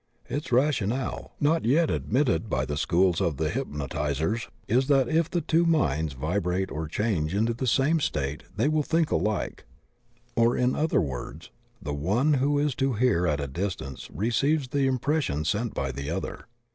Its rationale, not yet admitted by the schools of the hypnotizers, is, that if the two minds vibrate or change into the same state they will think aUke; or, in other words, the one who is to hear at a distance receives the impression sent by the other.